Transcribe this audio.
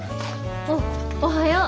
あっおはよう。